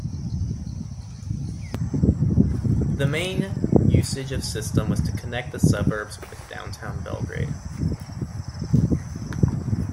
The main usage of system was to connect the suburbs with downtown Belgrade.